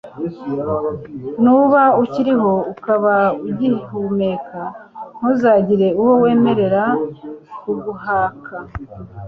nuba ukiriho, ukaba ugihumeka ntuzagire uwo wemerera kuguhaka